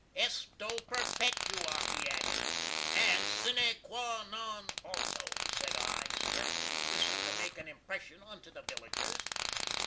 "Esto perpetua!" he added! "And sine qua non also!" sed I, sternly, wishing to make a impression onto the villagers.